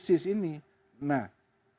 determinasi donald trump untuk menghabisi isis